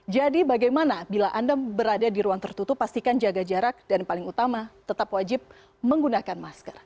jadi bagaimana bila anda berada di ruang tertutup pastikan jaga jarak dan paling utama tetap wajib menggunakan masker